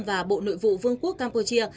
và bộ nội vụ vương quốc campuchia